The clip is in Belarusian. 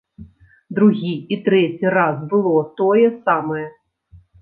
Другі і трэці раз было тое самае.